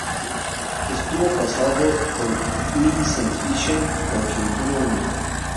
Estuvo casado con Millicent Fisher, con quien tuvo un hijo.